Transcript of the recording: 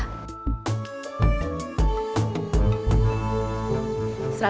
neng mau kemana